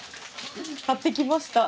買ってきました。